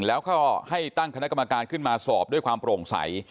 แล้วก็ให้ตั้งคณะกรรมการขึ้นมาสอบด้วยความโปร่งใส